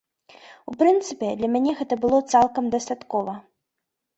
У прынцыпе, для мяне гэта было цалкам дастаткова.